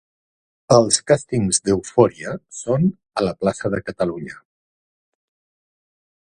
Els càstings d'Eufòria són a la plaça de Catalunya.